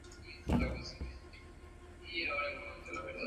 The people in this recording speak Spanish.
Se alimentan durante la fase larvaria de huevos y larvas de abejas.